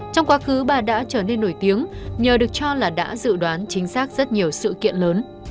trong quá khứ bà đã trở nên nổi tiếng nhờ được cho là đã dự đoán chính xác rất nhiều sự kiện lớn